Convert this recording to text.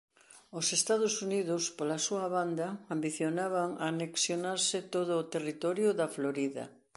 Os Estados Unidos pola súa banda ambicionaban anexionarse todo o territorio da Florida.